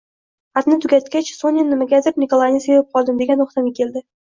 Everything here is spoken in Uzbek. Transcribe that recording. Xatni tugatgach, Sonya nimagadir Nikolayni sevib qoldim degan toʻxtamga keldi